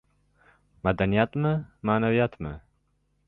Madaniyatmi, ma’naviyatmi?